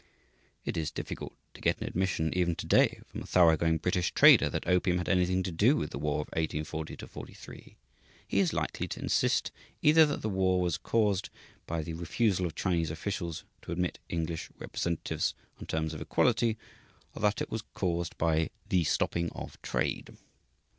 It is difficult to get an admission even to day, from a thorough going British trader, that opium had anything to do with the war of 1840 43. He is likely to insist either that the war was caused by the refusal of Chinese officials to admit English representatives on terms of equality, or that it was caused by "the stopping of trade."